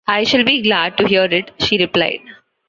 "I shall be glad to hear it," she replied.